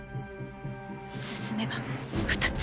進めば２つ。